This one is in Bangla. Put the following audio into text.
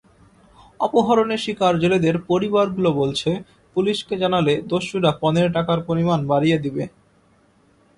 অপহরণের শিকার জেলেদের পরিবারগুলো বলছে, পুলিশকে জানালে দস্যুরা পণের টাকার পরিমাণ বাড়িয়ে দেবে।